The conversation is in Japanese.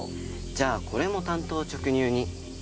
じゃあこれも単刀直入に。